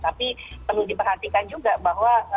tapi perlu diperhatikan juga bahwa